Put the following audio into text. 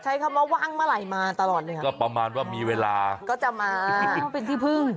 ใช้คำว่าว่างเมื่อไหร่มาตลอดเลยค่ะก็ประมาณว่ามีเวลาก็จะมาเป็นที่พึ่ง